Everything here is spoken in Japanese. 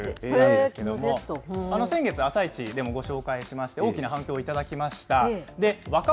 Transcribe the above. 先月、あさイチでもご紹介しまして、大きな反響をいただきました。